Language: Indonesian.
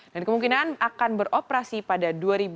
dan kemungkinan akan beroperasi pada dua ribu dua puluh